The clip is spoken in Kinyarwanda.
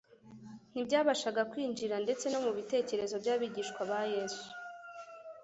ntibyabashaga kwinjira ndetse no mu bitekerezo by’abigishwa ba Yesu